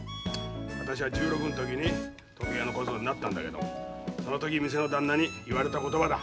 私が１６の時に時計屋の小僧になったんだけどその時店の旦那に言われた言葉だ。